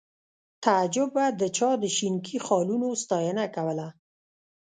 تعجب به د چا د شینکي خالونو ستاینه کوله